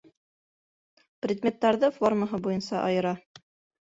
Предметтарҙы формаһы буйынса айыра.